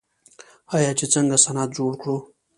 آیا چې څنګه صنعت جوړ کړو؟